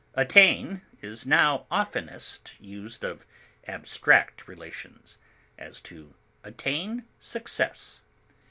Attain is now oftenest used of abstract relations; as, to attain success.